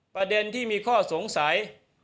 ประเด็นที่มีข้อสงสัย